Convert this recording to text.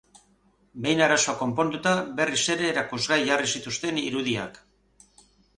Behin arazoa konponduta berriz ere erakusgai jarri zituzten irudiak.